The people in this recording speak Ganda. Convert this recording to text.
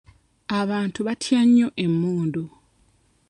Abantu batya nnyo emmundu.